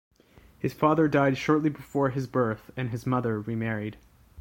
His father died shortly before his birth and his mother remarried.